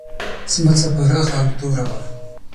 سمڅه پراخه او توره وه.